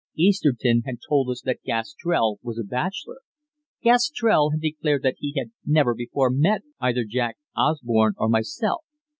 Easterton had told us that Gastrell was a bachelor. Gastrell had declared that he had never before met either Jack Osborne or myself.